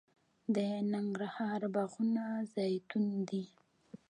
د ننګرهار باغونه زیتون دي